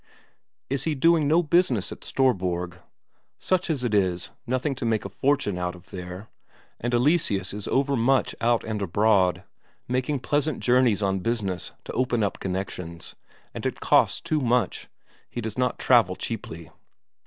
Is he doing no business at Storborg? Such as it is; nothing to make a fortune out of there, and Eleseus is overmuch out and abroad, making pleasant journeys on business to open up connections, and it costs too much; he does not travel cheaply.